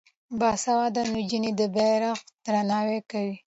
باسواده نجونې د بیرغ درناوی کوي.